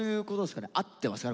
合ってますかね？